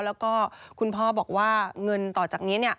แล้วก็คุณพ่อบอกว่าเงินต่อจากนี้